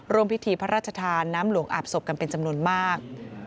ร่วมพิธีพระราชทานน้ำหลวงอาบศพกันเป็นจำนวนมาก